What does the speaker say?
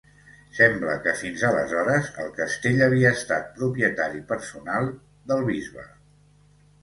Sembla que fins aleshores el castell havia estat propietari personal del bisbe.